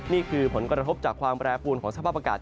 นี่คือผลกระทบจากความแปรปวนของสภาพอากาศ